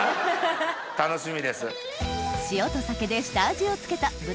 楽しみです。